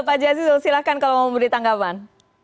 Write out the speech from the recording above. pak jazilul silahkan kalau mau memberi tanggapan